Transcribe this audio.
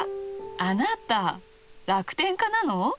あなた楽天家なの？